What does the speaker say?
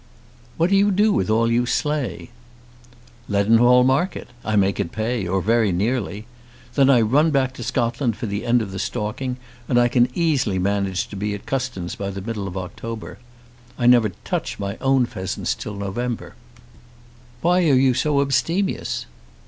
"What do you do with all you slay?" "Leadenhall Market. I make it pay, or very nearly. Then I shall run back to Scotland for the end of the stalking, and I can easily manage to be at Custins by the middle of October. I never touch my own pheasants till November." "Why are you so abstemious?"